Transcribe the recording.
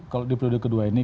kalau di periode kedua ini